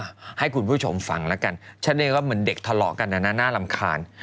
ให้คุณผู้ชมฟังแล้วกันฉันเองก็เหมือนเด็กทะเลาะกันนะนะน่ารำคาญ